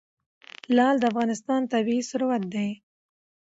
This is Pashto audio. لعل د افغانستان طبعي ثروت دی.